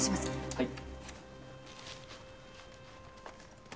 はい。